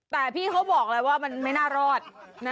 แต่พี่เขาบอกแล้วว่ามันไม่น่ารอด